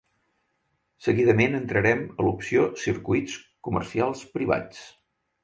Seguidament entrarem a l'opció "Circuits comercials privats".